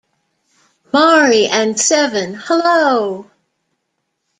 Mari and seven Hello!